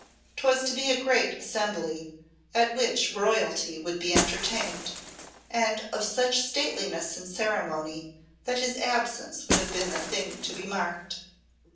'Twas to be a great assembly, at which Royalty would be entertained, and of such stateliness and ceremony that his absence would have been a thing to be marked.